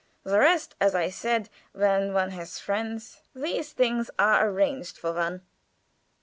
The rest, as I said, when one has friends, these things are arranged for one."